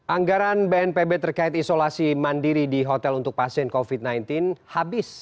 anggaran bnpb terkait isolasi mandiri di hotel untuk pasien covid sembilan belas habis